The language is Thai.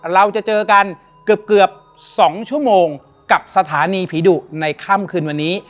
เราจะเจอกันเกือบ๒ชั่วโมงกับสถานีผีดุในค่ำคืนวันนี้